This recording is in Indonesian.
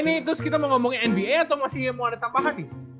ini terus kita mau ngomongin nba atau masih mau ada tambahan nih